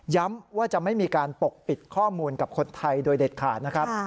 ว่าจะไม่มีการปกปิดข้อมูลกับคนไทยโดยเด็ดขาดนะครับ